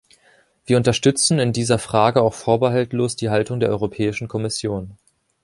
Wir unterstützen in dieser Frage auch vorbehaltlos die Haltung der Europäischen Kommission.